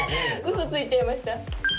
嘘ついちゃいました。